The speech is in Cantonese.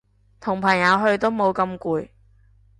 同朋友去都冇咁攰